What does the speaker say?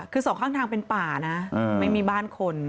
คือสองข้างทางเป็นป่านะไม่มีบ้านคน